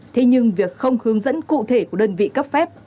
tuy nhiên việc không hướng dẫn cụ thể của đơn vị cấp phép